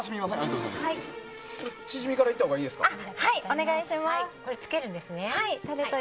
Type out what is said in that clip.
チヂミからいったほうがいいですか。